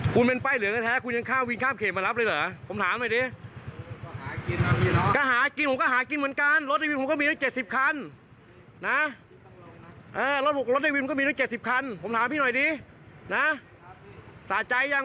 ซื้อปะเนี่ยสะใจมั้ย